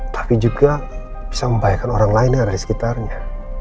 tapi juga bisa membahayakan orang lain yang ada di sekitarnya